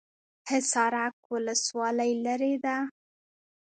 حصارک ولسوالۍ لیرې ده؟